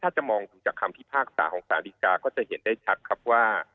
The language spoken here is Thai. ถ้าจะมองดูจากคำพิพากษาของสารดีกาก็จะเห็นได้ชัดครับว่า